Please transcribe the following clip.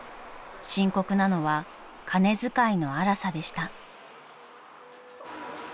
［深刻なのは金遣いの荒さでした］